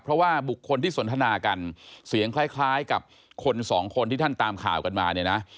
เพราะว่าบุคคลที่สนทนากันเสียงคล้ายกับคนสองคนที่ท่านตามข่าวกันมาเนี่ยนะ